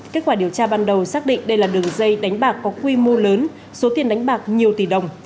kết quả điều tra ban đầu xác định đây là đường dây đánh bạc có quy mô lớn số tiền đánh bạc nhiều tỷ đồng